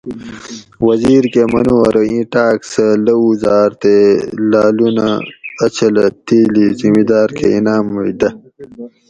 وزیر کہ منو ارو اِیں ٹاۤک سہ لوؤ زاۤر تے لالونہ ا چھلہ تیلی زِمیداۤر کہ انعام مئی دہ